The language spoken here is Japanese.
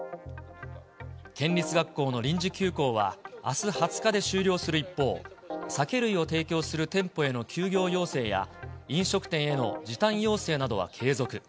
県立学校の臨時休校は、あす２０日で終了する一方、酒類を提供する店舗への休業要請や、飲食店への時短要請などは継続。